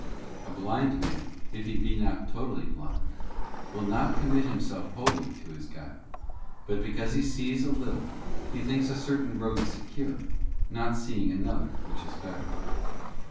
<A blind man, if he be not totally blind, will not commit himself wholly to his guide, but because he sees a little he thinks a certain road secure, not seeing another which is better.